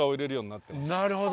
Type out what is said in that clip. なるほど。